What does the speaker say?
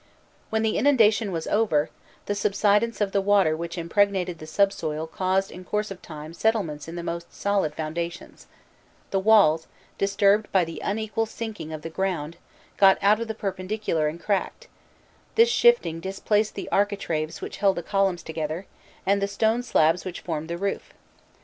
When the inundation was over, the subsidence of the water which impregnated the subsoil caused in course of time settlements in the most solid foundations: the walls, disturbed by the unequal sinking of the ground, got out of the perpendicular and cracked; this shifting displaced the architraves which held the columns together, and the stone slabs which formed the roof.